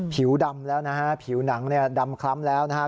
ผิวดำแล้วนะฮะผิวหนังเนี่ยดำคล้ำแล้วนะฮะ